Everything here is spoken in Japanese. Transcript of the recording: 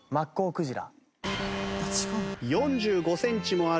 クジラ？